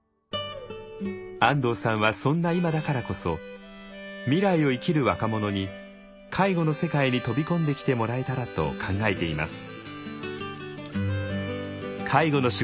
安藤さんはそんな今だからこそ未来を生きる若者に介護の世界に飛び込んできてもらえたらと考えています。